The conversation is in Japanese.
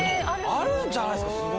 あるんじゃないですかすごい。